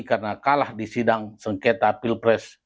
karena kalah di sidang sengketa pilpres